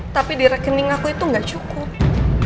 tapi di rekening aku itu nggak cukup